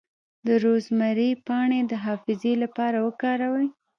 د روزمیری پاڼې د حافظې لپاره وکاروئ